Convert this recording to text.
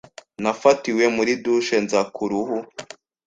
Nafatiwe muri douche, nza ku ruhu.